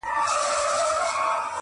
هر منزل ته ژړومه خپل پردېس خوږمن کلونه -